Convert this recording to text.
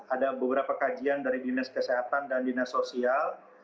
ada beberapa kajian dari dinas kesehatan dan dinas sosial